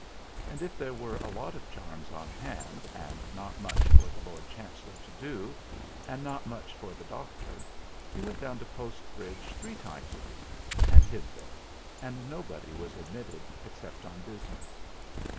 And if there were a lot of charms on hand and not much for the Lord Chancellor to do, and not much for the doctor, he went down to Postbridge three times a week and hid there, and nobody was admitted except on business.